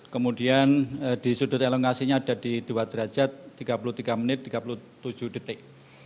kemudian di sudut elongasinya ada di dua derajat tiga puluh tiga menit tiga puluh tujuh detik